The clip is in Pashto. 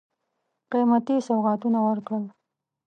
قېمتي سوغاتونه ورکړل.